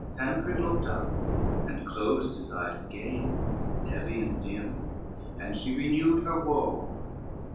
CXI Tancred looked up, and closed his eyes again, Heavy and dim, and she renewed her woe.